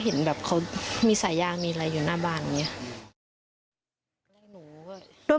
เห็นแบบเขามีสายยางมีอะไรอยู่หน้าบ้านอย่างนี้